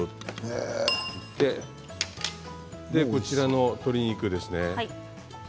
こちらの鶏肉ですね。